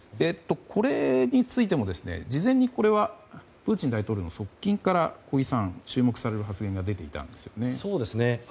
これについても事前にプーチン大統領の側近から注目される発言が出ていたんですよね。